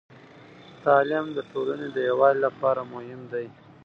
تعليم د ټولنې د يووالي لپاره مهم دی.